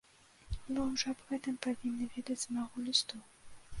Вы ўжо аб гэтым павінны ведаць з майго лісту.